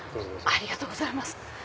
ありがとうございます。